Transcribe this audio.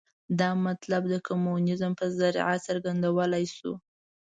دا مطلب د کمونیزم په ذریعه څرګندولای شو.